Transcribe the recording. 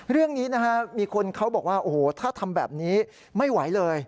เรื่องนี้นะฮะมีคนเขาบอกว่าโอ้โหถ้าทำแบบนี้ไม่ไหวเลย